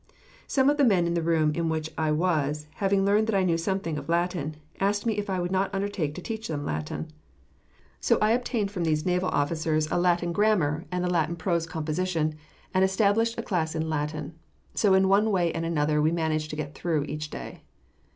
Some of the men in the room in which I was having learned that I knew something of Latin, asked me if I would not undertake to teach them Latin, so I obtained from these naval officers a Latin grammar and a Latin Prose Composition, and established a class in Latin. So in one way and another we managed to get through each day.